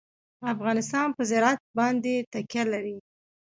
افغانستان په زراعت باندې تکیه لري.